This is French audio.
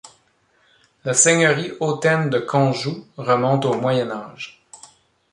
La seigneurie hautaine de Conjoux remonte au Moyen Âge.